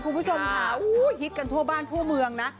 คุณผู้ชมค่ะฮิตกันทั่วบ้านทั่วเมืองนะ